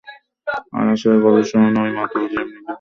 আর আষাড়ে গল্প শোনানো ওই মাতাল জিম নিকেলবোন্সও সেই কাতারে পড়ে।